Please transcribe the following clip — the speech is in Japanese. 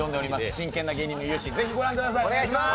真剣な芸人の勇姿、ぜひご覧ください。